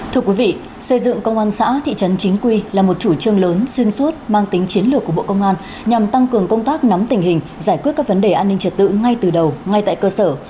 thưa quý vị xây dựng công an xã thị trấn chính quy là một chủ trương lớn xuyên suốt mang tính chiến lược của bộ công an nhằm tăng cường công tác nắm tình hình giải quyết các vấn đề an ninh trật tự ngay từ đầu ngay tại cơ sở